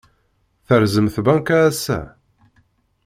Terẓem tbanka ass-a?